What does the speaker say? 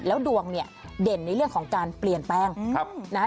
แล้วดวงเนี่ยเด่นในเรื่องของการเปลี่ยนแปลงนะฮะ